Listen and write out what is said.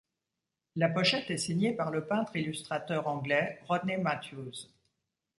La pochette est signée par le peintre illustrateur anglais Rodney Matthews.